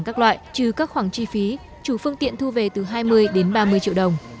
các loại trừ các khoản chi phí chủ phương tiện thu về từ hai mươi đến ba mươi triệu đồng